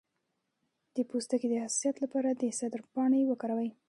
د پوستکي د حساسیت لپاره د سدر پاڼې وکاروئ